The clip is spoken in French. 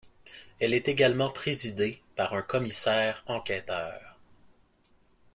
Elle est également présidée par un commissaire enquêteur.